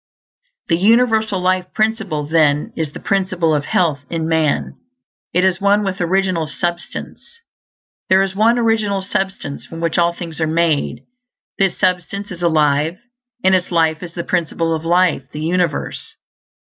The universal Life Principle, then, is the Principle of Health in man. It is one with original substance. There is one Original Substance from which all things are made; this substance is alive, and its life is the Principle of Life of the universe.